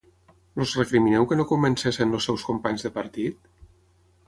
Els recrimineu que no convencessin els seus companys de partit?